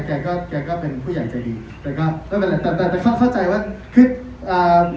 แกก็แกก็เป็นผู้ใหญ่ใจดีนะครับไม่เป็นไรแต่แต่ข้อเข้าใจว่าคืออ่า